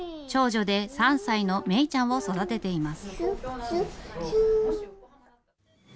長女で３歳の芽ちゃんを育てています。